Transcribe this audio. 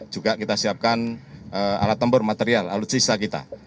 juga kita siapkan alat tempur material alutsista kita